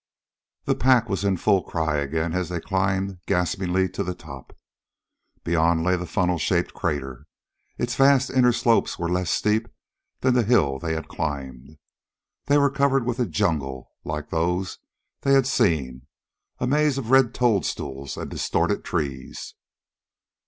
The pack was in full cry again as they climbed gaspingly to the top. Beyond lay the funnel shaped crater. Its vast inner slopes were less steep than the hill they had climbed. They were covered with a jungle, like those they had seen a maze of red toadstools and distorted trees.